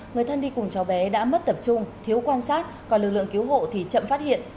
người thân đi cùng cháu bé đã mất tập trung thiếu quan sát còn lực lượng cứu hộ thì chậm phát hiện